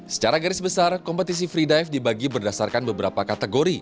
secara garis besar kompetisi freedive dibagi berdasarkan beberapa kategori